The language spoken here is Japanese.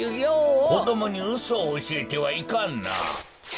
こどもにうそをおしえてはいかんな。